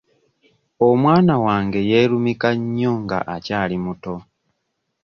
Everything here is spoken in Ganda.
Omwana wange yeerumika nnyo nga akyali muto.